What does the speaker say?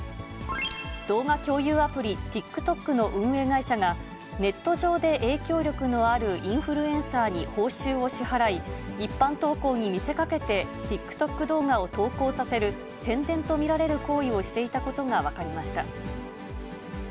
動画共有アプリ、ＴｉｋＴｏｋの運営会社が、ネット上で影響力のあるインフルエンサーに報酬を支払い、一般投稿に見せかけて、ＴｉｋＴｏｋ動画を投稿させる宣伝と見られる行為をしていたことが分かりました。